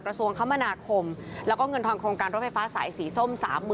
กระทรวงคมนาคมแล้วก็เงินทอนโครงการรถไฟฟ้าสายสีส้ม๓๐๐๐